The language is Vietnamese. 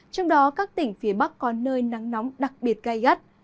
trong đó các tỉnh phía bắc có nơi nắng nóng đặc biệt gai gắt